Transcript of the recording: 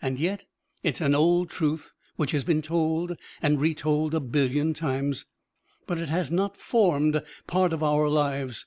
And yet it's an old truth which has been told and retold a billion times but it has not formed part of our lives!